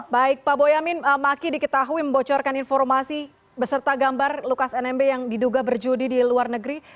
baik pak boyamin maki diketahui membocorkan informasi beserta gambar lukas nmb yang diduga berjudi di luar negeri